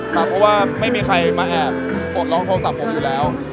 เพราะว่าไม่มีใครมาแอบกดร้องโทรศัพท์ผมอยู่แล้ว